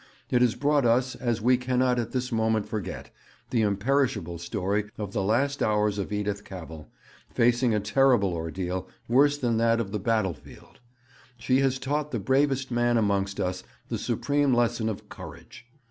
It has brought us, as we cannot at this moment forget, the imperishable story of the last hours of Edith Cavell, facing a terrible ordeal worse than that of the battle field. She has taught the bravest man amongst us the supreme lesson of courage.